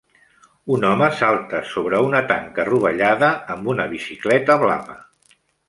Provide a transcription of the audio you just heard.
Un home salta sobre una tanca rovellada amb una bicicleta blava.